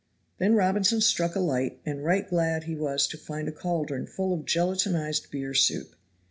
Then Robinson struck a light, and right glad he was to find a cauldron full of gelatinized beef soup.